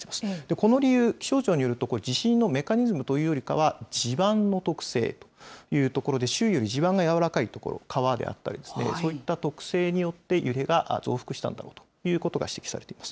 この理由、気象庁によると、地震のメカニズムというよりかは、地盤の特性というところで、周囲より地盤が軟らかい所、川であったりですね、そういった特性によって、揺れが増幅したんだろうということが指摘されています。